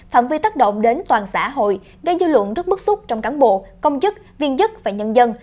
phạm vi tác động đến toàn xã hội gây dư luận rất bức xúc trong cán bộ công chức viên chức và nhân dân